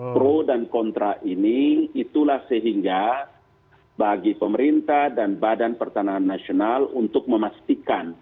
pro dan kontra ini itulah sehingga bagi pemerintah dan badan pertanahan nasional untuk memastikan